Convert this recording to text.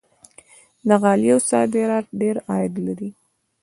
د غالیو صادرات ډیر عاید لري.